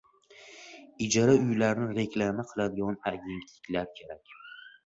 Ijara uylarni reklama qiladigan agentliklar kerak.